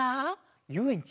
ゆうえんち？